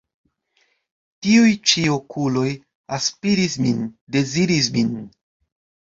Tiuj ĉi okuloj aspiris min, deziris min.